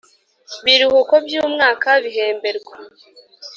Biruhuko by umwaka bihemberwa